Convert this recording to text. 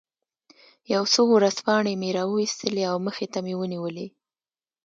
یو څو ورځپاڼې مې را وویستلې او مخې ته مې ونیولې.